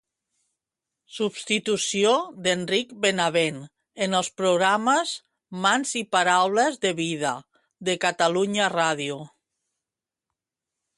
Substitució d'Enric Benavent en els programes Mans i Paraules de Vida de Catalunya Ràdio.